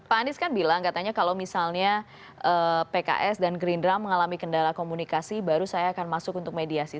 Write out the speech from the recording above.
pak anies kan bilang katanya kalau misalnya pks dan gerindra mengalami kendala komunikasi baru saya akan masuk untuk mediasi